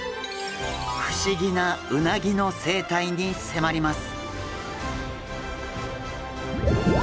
不思議なうなぎの生態に迫ります。